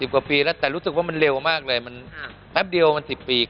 กว่าปีแล้วแต่รู้สึกว่ามันเร็วมากเลยมันแป๊บเดียวมัน๑๐ปี